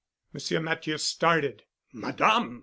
Monsieur Matthieu started. "Madame!"